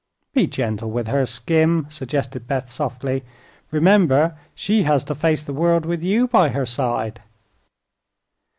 "Be gentle with her, Skim," suggested Beth, softly. "Remember she has to face the world with you by her side."